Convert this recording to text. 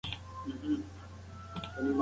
ایا د روسیې لښکر په پای کې مسکو بېرته ترلاسه کړ؟